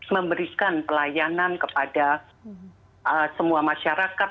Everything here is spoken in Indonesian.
memberikan pelayanan kepada semua masyarakat